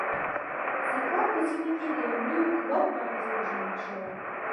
سیکهان په سیمه کې د یوه لوی قوت په حیث پېژندل شوي.